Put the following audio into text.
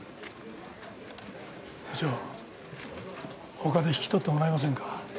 ほかで引き取ってもらえませんか。